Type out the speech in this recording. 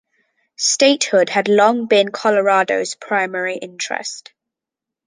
Statehood had long been Colorado's primary interest.